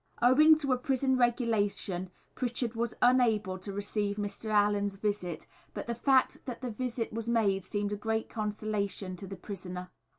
Owing to a prison regulation Pritchard was unable to receive Mr. Allen's visit, but the fact that the visit was made seemed a great consolation to the prisoner.